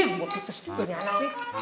ih morpites juga nih anaknya